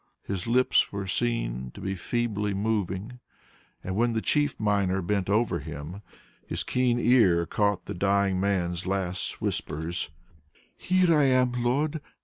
His lips were seen to be feebly moving, and when the chief miner bent over him, his keen ear caught the dying old man's last whispers, "Here I am, Lord....